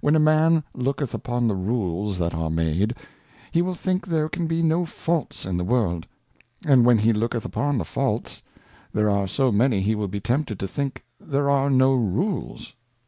When a Man looketh upon the Rules that are made, he will think there can be no Faults in the World ; and when he looketh upon the Faults, there are so many he will be tempted to think there are no Rules.